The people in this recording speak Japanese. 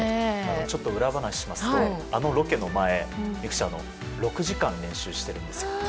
ちょっと裏話をしますとあのロケの前美空ちゃんは６時間練習しているんです。